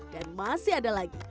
dan masih ada lagi